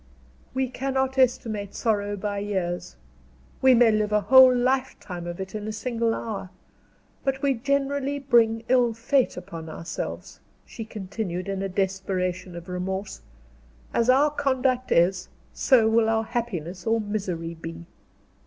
"We cannot estimate sorrow by years. We may live a whole lifetime of it in a single hour. But we generally bring ill fate upon ourselves," she continued, in a desperation of remorse; "as our conduct is, so will our happiness or misery be."